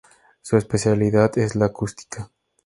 Su especialidad es la acústica.